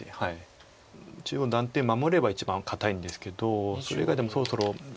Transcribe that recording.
中央断点守れば一番堅いんですけどそれ以外でもそろそろヨセが。